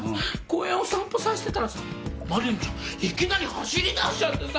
公園を散歩させてたらさマリリンちゃんいきなり走り出しちゃってさ。